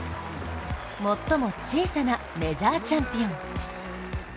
最も小さなメジャーチャンピオン。